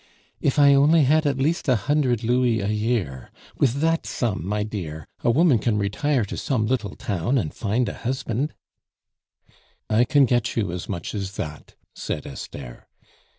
"If I only had at least a hundred louis a year! With that sum, my dear, a woman can retire to some little town and find a husband " "I can get you as much as that," said Esther.